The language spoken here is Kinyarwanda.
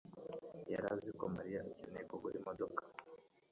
yari azi ko Mariya akeneye kugura imodoka.